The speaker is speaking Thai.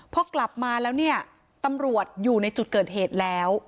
พอกลับมาแล้วเนี่ยตำรวจอยู่ในจุดเกิดเหตุแล้ว